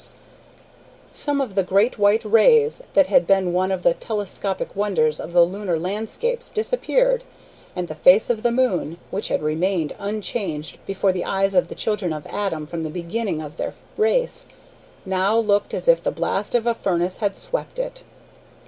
Some of the great white rays that had been one of the telescopic wonders of the lunar landscapes disappeared, and the face of the moon, which had remained unchanged before the eyes of the children of Adam from the beginning of their race, now looked as if the blast of a furnace had swept it.